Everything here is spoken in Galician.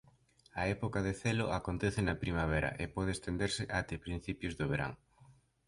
A época de celo acontece na primavera e pode estenderse até principios do verán.